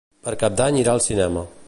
Per Cap d'Any irà al cinema.